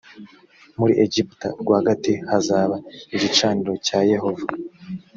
muri egiputa rwagati hazaba igicaniro cya yehova